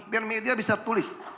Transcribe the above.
biar media bisa tulis